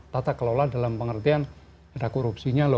tata kelola dalam pengertian ada korupsinya loh